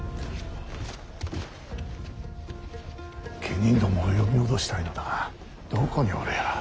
家人どもを呼び戻したいのだがどこにおるやら。